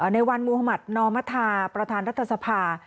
ในวันมุมมัตรนมประธานรัฐศพา